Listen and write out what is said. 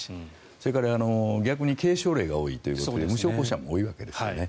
それから逆に軽症例も多いわけで無症候者も多いわけですね。